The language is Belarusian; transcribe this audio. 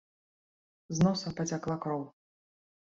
З носа пацякла кроў.